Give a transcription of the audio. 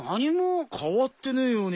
変わってねえように。